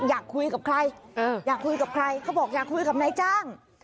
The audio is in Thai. อยากคุยกับใครอยากคุยกับใครเขาบอกอยากคุยกับนายจ้าง